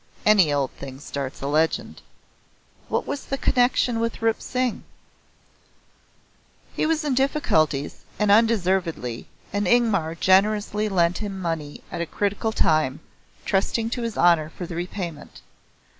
Any old thing starts a legend." "What was the connection with Rup Singh?" "He was in difficulties and undeservedly, and Ingmar generously lent him money at a critical time, trusting to his honour for repayment.